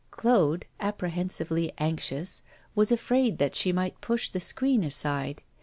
Claude, apprehensively anxious, was afraid that she might push the screen aside.